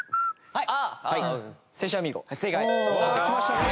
はい！